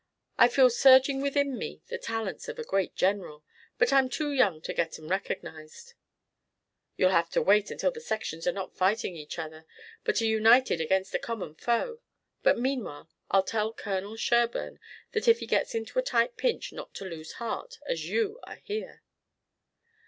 I feel surging within me the talents of a great general, but I'm too young to get 'em recognized." "You'll have to wait until the sections are not fighting each other, but are united against a common foe. But meanwhile I'll tell Colonel Sherburne that if he gets into a tight pinch not to lose heart as you are here."